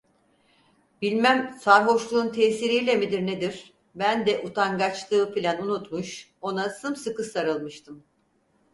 Bilmem sarhoşluğun tesiriyle midir nedir, ben de utangaçlığı filân unutmuş, ona sımsıkı sarılmıştım.